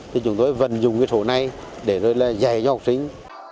thì chúng tôi vẫn dùng cái thổ này để dạy cho học sinh